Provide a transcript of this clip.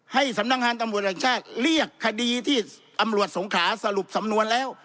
ให้สำนักงานตำรวจแห่งชาติเรียกคดีที่ตำรวจสงขาสรุปสำนวนแล้ว